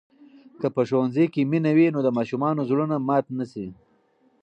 که په ښوونځي کې مینه وي، نو د ماشومانو زړونه مات نه سي.